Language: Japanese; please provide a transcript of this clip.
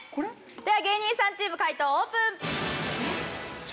では芸人さんチーム解答オープン！